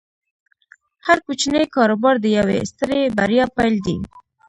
هر کوچنی کاروبار د یوې سترې بریا پیل دی۔